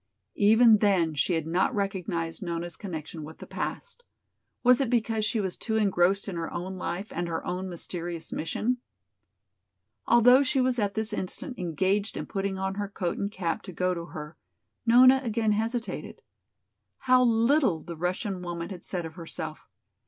Even then she had not recognized Nona's connection with the past. Was it because she was too engrossed in her own life and her own mysterious mission? Although she was at this instant engaged in putting on her coat and cap to go to her, Nona again hesitated. How little the Russian woman had said of herself!